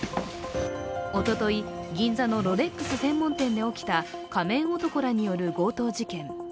おととい、銀座のロレックス専門店で起きた仮面男らによる強盗事件。